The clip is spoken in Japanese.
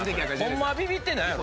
ホンマはビビってないやろ？